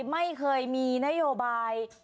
ไม่เคยมีนโยบาย